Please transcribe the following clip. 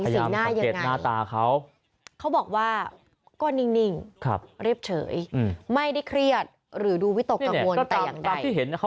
สีหน้ายังไงหน้าตาเขาเขาบอกว่าก็นิ่งเรียบเฉยไม่ได้เครียดหรือดูวิตกกังวลแต่อย่างใด